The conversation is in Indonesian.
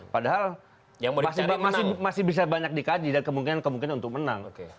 padahal masih bisa banyak dikaji dan kemungkinan kemungkinan untuk menang